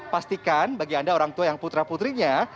pastikan bagi anda orang tua yang putra putrinya